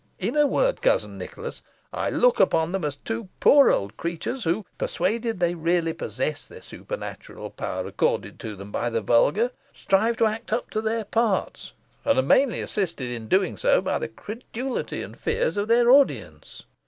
In a word, cousin Nicholas, I look upon them as two poor old creatures, who, persuaded they really possess the supernatural power accorded to them by the vulgar, strive to act up to their parts, and are mainly assisted in doing so by the credulity and fears of their audience."